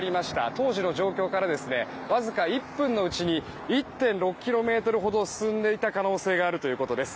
当時の状況からわずか１分のうちに１．６ｋｍほど進んでいた可能性があるということです。